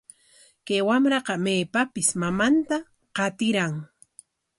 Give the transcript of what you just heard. Kay wamraqa maypapis mamanta qatiran.